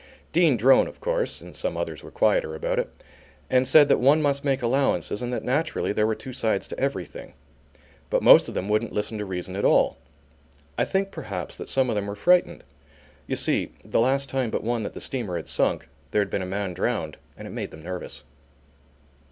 Dean Drone, of course, and some others were quieter about it, and said that one must make allowances and that naturally there were two sides to everything. But most of them wouldn't listen to reason at all. I think, perhaps, that some of them were frightened. You see the last time but one that the steamer had sunk, there had been a man drowned and it made them nervous.